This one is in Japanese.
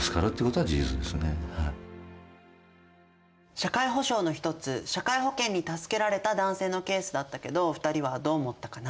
社会保障の一つ社会保険に助けられた男性のケースだったけど２人はどう思ったかな？